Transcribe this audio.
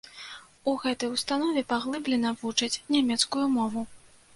У гэтай установе паглыблена вучаць нямецкую мову.